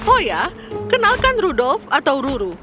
oh ya kenalkan rudolf atau ruru